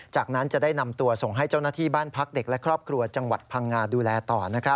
จากนั้นจะได้นำตัวส่งให้เจ้าหน้าที่บ้านพักเด็กและครอบครัวจังหวัดพังงาดูแลต่อ